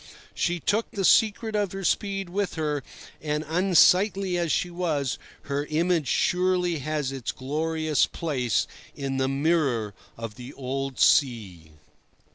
She took the secret of her speed with her, and, unsightly as she was, her image surely has its glorious place in the mirror of the old sea.